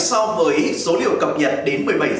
so với số liệu cập nhật đến một mươi bảy h